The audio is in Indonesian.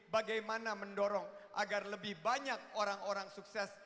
bagaimana mendorong agar lebih banyak orang orang sukses